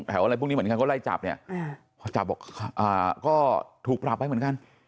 อะไรพวกนี้เหมือนกันก็ไล่จับเนี่ยพอจับบอกก็ถูกปรับไปเหมือนกัน